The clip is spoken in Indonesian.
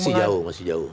masih jauh masih jauh